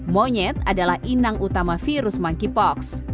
monyet adalah inang utama virus monkeypox